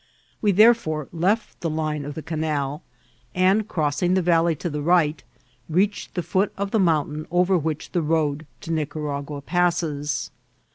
We therefore left the line of the canal, and crossing the valley to the rif^t, reachecf the foot of the mountain over which the road to Nicaragua passes.